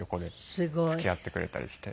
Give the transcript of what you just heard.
すごい。付き合ってくれたりして。